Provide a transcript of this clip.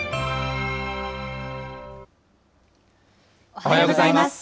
おはようございます。